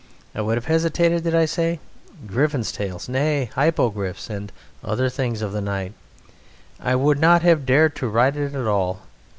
I would have hesitated, did I say? Griffins' tails! Nay Hippogriffs and other things of the night! I would not have dared to write it at all!